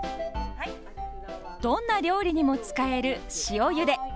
どんな料理にも使える塩ゆで。